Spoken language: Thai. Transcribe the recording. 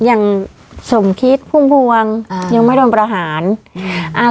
อย่างสมคิดพุ่มพวงอ่ายังไม่โดนประหารอืมอ่า